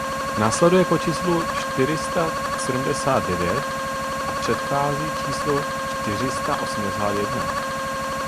Následuje po číslu čtyři sta sedmdesát devět a předchází číslu čtyři sta osmdesát jedna.